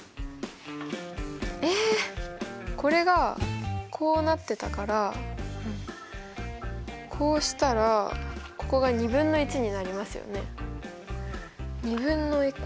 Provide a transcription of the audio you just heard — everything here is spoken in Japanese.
えこれがこうなってたからこうしたらここがになりますよね。